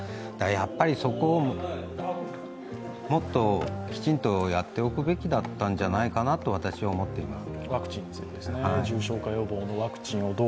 やっぱりそこをきちんとやっておくべきだったんじゃないかなと思います。